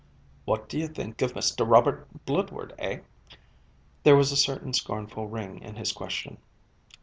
"What do you think of Mister Robert Bludward, eh?" There was a certain scornful ring in his question.